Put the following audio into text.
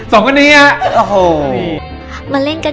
สองคนนี้อ่ะ